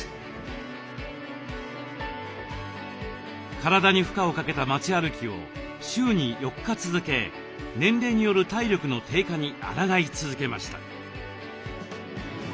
体に負荷をかけた町歩きを週に４日続け年齢による体力の低下にあらがい続けました。